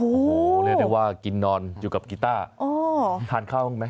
โอ้โหเรียกได้ว่ากินนอนอยู่กับกีต้าทานข้าวบ้างไหม